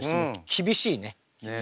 厳しいね。